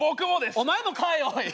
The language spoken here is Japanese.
お前もかいおい。